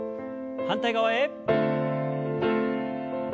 反対側へ。